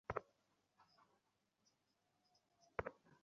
গতকাল রোববার সকালে মামলার বাদীপক্ষের লোকজন তাঁকে নাসিরনগর থানায় সোপর্দ করেন।